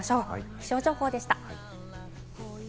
気象情報でした。